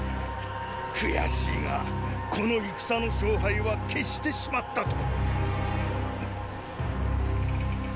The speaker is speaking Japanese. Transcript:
くやしいがこの戦の勝敗は決してしまったと。